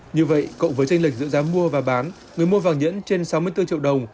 như vậy cộng với tranh lệch giữa giá mua và bán người mua vàng nhẫn trên sáu mươi bốn triệu đồng